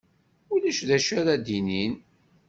Ulac d acu ara d-inin.